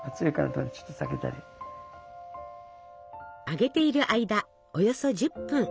揚げている間およそ１０分。